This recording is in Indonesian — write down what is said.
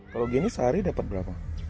kalau gini sehari dapat berapa